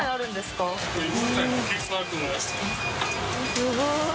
すごい。